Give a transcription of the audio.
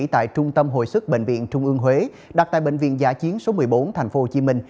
tại trung tâm hội sức bệnh viện trung ương huế đặt tại bệnh viện giả chiến số một mươi bốn tp hcm